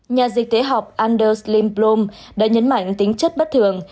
nhà dịch tế học anders limbrom đã nhấn mạnh tính chất bất thường